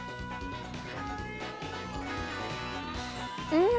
うん！